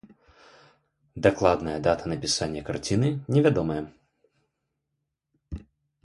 Дакладная дата напісання карціны невядомая.